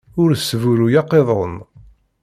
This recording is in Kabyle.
Ur sburuy aqiḍun.